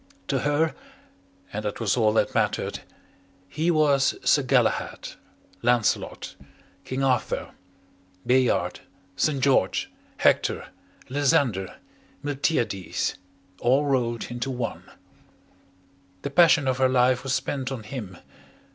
To her and that was all that mattered he was Sir Galahad, Lancelot, King Arthur, Bayard, St. George, Hector, Lysander, Miltiades, all rolled into one. The passion of her life was spent on him.